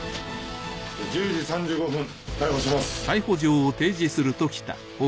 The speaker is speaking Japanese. １０時３５分逮捕します。